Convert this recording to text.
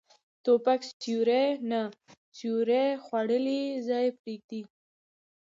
توپک سیوری نه، سیوری خوړلی ځای پرېږدي.